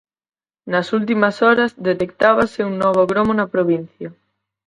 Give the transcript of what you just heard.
Nas últimas horas detectábase un novo gromo na provincia.